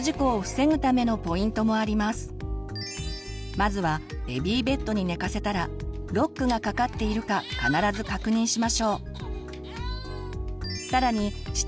まずはベビーベッドに寝かせたらロックがかかっているか必ず確認しましょう。